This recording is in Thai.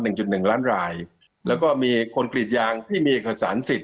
จุดหนึ่งล้านรายแล้วก็มีคนกรีดยางที่มีเอกสารสิทธิ